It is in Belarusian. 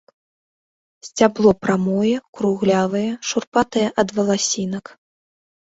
Сцябло прамое, круглявае, шурпатае ад валасінак.